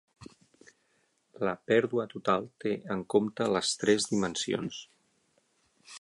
La pèrdua total té en compte les tres dimensions.